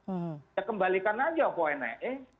kita kembalikan saja pak wnae